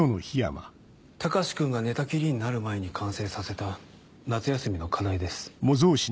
隆君が寝たきりになる前に完成させた夏休みの課題です。